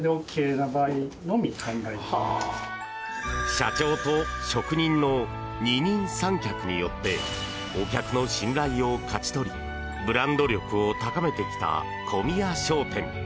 社長と職人の二人三脚によってお客の信頼を勝ち取りブランド力を高めてきた小宮商店。